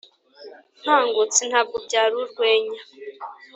nkangutse, ntabwo byari urwenya